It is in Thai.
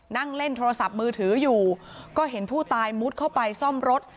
นั่งเล่นโทรศัพท์มือถืออยู่ก็เห็นผู้ตายมุดเข้าไปซ่อมรถ